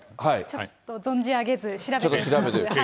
ちょっと存じ上げず、調べておきます。